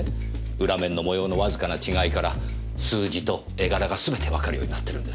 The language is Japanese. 裏面の模様のわずかな違いから数字と絵柄が全てわかるようになってるんです。